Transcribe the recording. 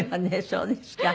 そうですか。